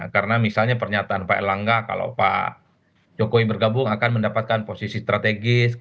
karena misalnya pernyataan pak elangga kalau pak jokowi bergabung akan mendapatkan posisi strategis